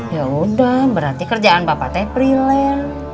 yaudah berarti kerjaan bapak teh freelance